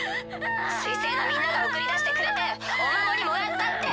水星のみんなが送り出してくれてお守りもらったって。